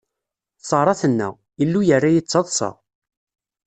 Ṣara tenna: Illu yerra-yi d taḍṣa.